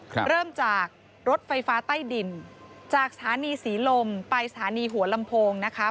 เริ่มจากรถไฟฟ้าใต้ดินจากสถานีศรีลมไปสถานีหัวลำโพงนะคะ